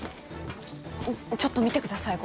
ちょっと見てください